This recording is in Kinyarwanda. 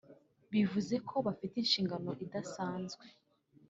bivuze ko bafite inshingano idasanzwe